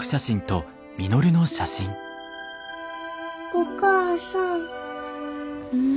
お母さん。